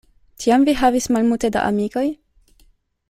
Tiam vi havis malmulte da amikoj?